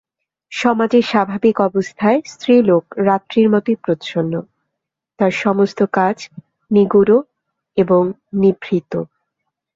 সমাজের স্বাভাবিক অবস্থায় স্ত্রীলোক রাত্রির মতোই প্রচ্ছন্ন– তার সমস্ত কাজ নিগূঢ় এবং নিভৃত।